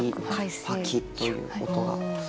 パキッという音が。